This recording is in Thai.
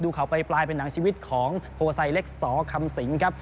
เขาไปปลายเป็นหนังชีวิตของโพไซเล็กสอคำสิงครับ